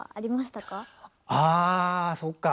あそっか。